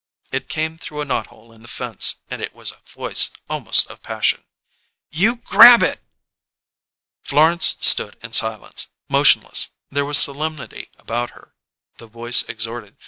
It came through a knot hole in the fence, and it was a voice almost of passion. "You grab it!" Florence stood in silence, motionless; there was a solemnity about her. The voice exhorted.